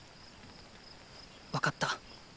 分かった。